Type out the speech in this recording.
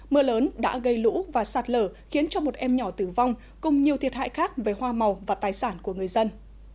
mưa lớn đã gây lũ và sạt lở khiến cho một em nhỏ tử vong cùng nhiều thiệt hại khác về hoa màu và tài sản của người dân